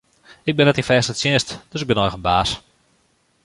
Ik bin net yn fêste tsjinst, dus ik bin eigen baas.